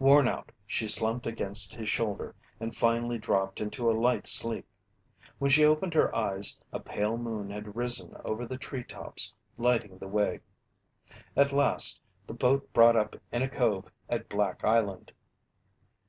Worn out, she slumped against his shoulder and finally dropped into a light sleep. When she opened her eyes, a pale moon had risen over the treetops, lighting the way. At last, the boat brought up in a cove at Black Island.